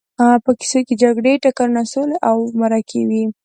په کیسو کې جګړې، ټکرونه، سولې او مرکې وي.